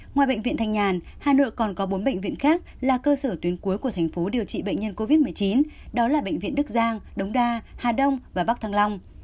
ngoài bệnh viện thanh nhàn hà nội còn có bốn bệnh viện khác là cơ sở tuyến cuối của thành phố điều trị bệnh nhân covid một mươi chín đó là bệnh viện đức giang đống đa hà đông và bắc thăng long